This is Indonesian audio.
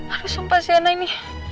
aku sumpah si anak ini